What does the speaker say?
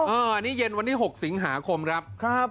อันนี้เย็นวันที่๖สิงหาคมครับ